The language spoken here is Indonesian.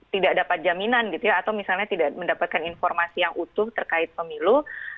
tidak dapat jaminan gitu ya atau misalnya tidak mendapatkan informasi yang utuh terkait pemilu